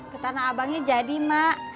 ketana abangnya jadi mak